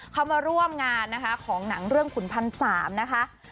เขามาร่วมงานนะคะของหนังเรื่องขุนพันสามนะคะ